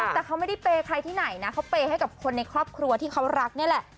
แต่เขาไม่ได้เปย์ใครที่ไหนนะเขาเปย์ให้กับคนในครอบครัวที่เขารักนี่แหละ